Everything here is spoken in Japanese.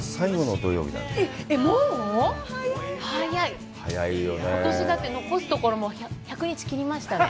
ことし、だって残すところ、１００日切りましたね。